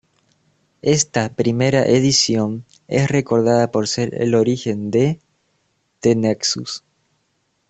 Esta primera edición es recordada por ser el origen de The Nexus.